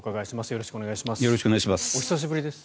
よろしくお願いします。